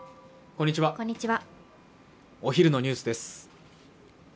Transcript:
こんにちはお昼のニュースです